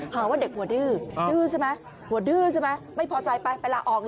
หาว่าเด็กหัวดื้อดื้อใช่ไหมไม่พอใจไปละออกเลย